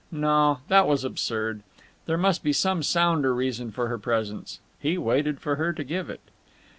No, that was absurd. There must be some sounder reason for her presence. He waited for her to give it.